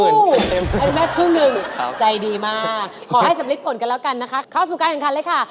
ให้คุณแม่ครึ่งหนึ่งใจดีมากขอให้สำริดผลกันแล้วกันนะคะเข้าสู่การแข่งขันเลยค่ะ